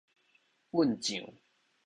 搵醬